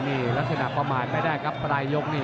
นี่ลักษณะประมาณไม่ได้ครับปลายยกนี่